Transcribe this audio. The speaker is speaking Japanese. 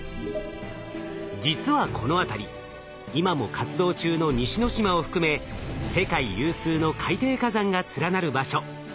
実はこの辺り今も活動中の西之島を含め世界有数の海底火山が連なる場所。